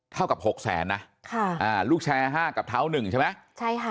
เท่ากับ๖แสนนะลูกแชร์๕กับเท้า๑ใช่ไหม